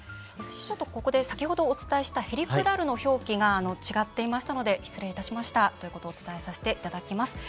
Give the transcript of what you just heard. ここで先ほどお伝えした「へりくだる」の表記が違っていましたので失礼いたしましたということをお伝えさせていただきます。